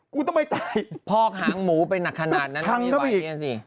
กูต้องไปจ่ายพอกหางหมูไปหนักขนาดนั้นทำไมก็ไม่ไหว